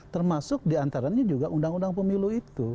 termasuk diantaranya juga undang undang pemilu itu